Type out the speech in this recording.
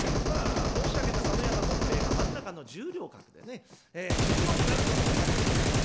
まあ申し上げた佐野山権兵衛が真ん中の十両格でね十両になるのでも大変です。